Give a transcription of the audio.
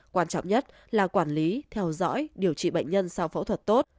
quan trọng nhất là quản lý theo dõi điều trị bệnh nhân sau phẫu thuật tốt